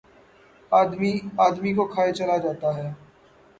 آدمی، آدمی کو کھائے چلا جاتا ہے